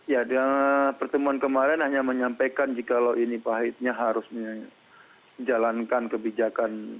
ya pertemuan kemarin hanya menyampaikan jika ini pak haidnya harus menjalankan kebijakan